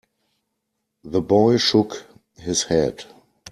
The boy shook his head.